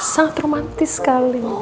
sangat romantis sekali